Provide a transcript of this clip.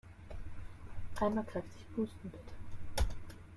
Einmal kräftig pusten, bitte!